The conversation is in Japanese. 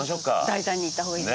大胆にいった方がいい。